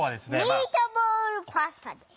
ミートボールパスタです！